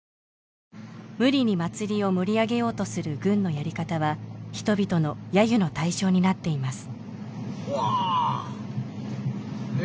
無理に祭りを盛り上げようとする軍のやり方は人々の揶揄の対象になっています